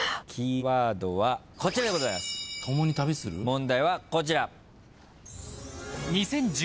問題はこちら。